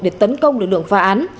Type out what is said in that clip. để tấn công lực lượng phá án